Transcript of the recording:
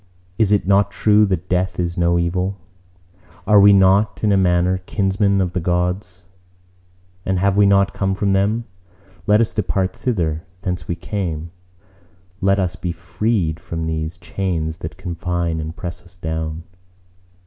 Is it not true that death is no evil? Are we not in a manner kinsmen of the Gods, and have we not come from them? Let us depart thither, whence we came: let us be freed from these chains that confine and press us down.